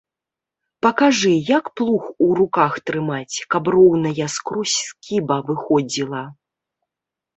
Пакажы, як плуг у руках трымаць, каб роўная скрозь скіба выходзіла.